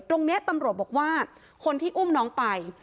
ตรงนี้ตำรวจบอกว่าคนที่อุ้มน้องไป